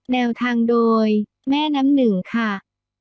๗๘๗๒๘๒๗๘๒แนวทางโดยแม่น้ำหนึ่งค่ะ